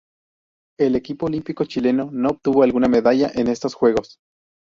El equipo olímpico chileno no obtuvo alguna medalla en estos Juegos.